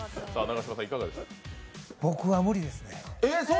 僕は無理ですね。